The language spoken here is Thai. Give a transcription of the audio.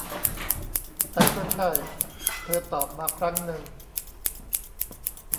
แต่ก็ใช่ เธอตอบมาครั้งนึง